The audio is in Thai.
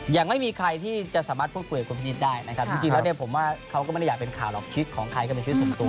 ยังไม่มีใครที่จะสามารถพูดคุยกับคุณพินิษฐ์ได้นะครับจริงแล้วเนี่ยผมว่าเขาก็ไม่ได้อยากเป็นข่าวหรอกชีวิตของใครก็เป็นชีวิตส่วนตัว